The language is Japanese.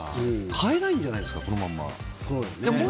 替えないんじゃないですかこのまま。